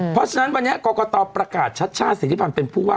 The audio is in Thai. เพราะฉะนั้นวันนี้กรกตประกาศชัดชาติสิทธิพันธ์เป็นผู้ว่า